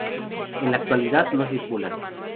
En la actualidad no circulan.